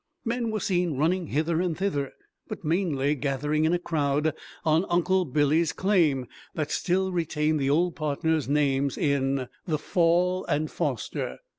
Men were seen running hither and thither, but mainly gathering in a crowd on Uncle Billy's claim, that still retained the old partners' names in "The Fall and Foster."